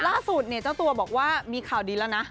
ล่าสุดเนี่ยเจ้าตัวบอกว่ามีข่าวดีแล้วนะ